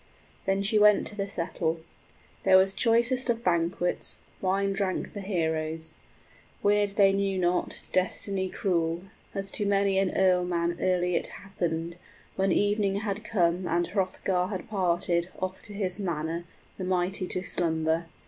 Then she went to the settle. There was choicest of banquets, wine drank the heroes: {They little know of the sorrow in store for them.} Weird they knew not, destiny cruel, As to many an earlman early it happened, When evening had come and Hrothgar had parted 45 Off to his manor, the mighty to slumber.